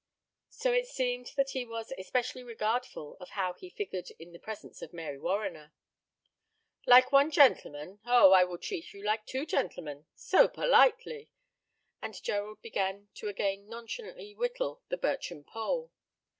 So it seemed that he was especially regardful of how he figured in the presence of Mary Warriner. "Like one gentleman? Oh, I will treat you like two gentlemen so politely;" and Gerald began to again nonchalantly whittle the birchen pole.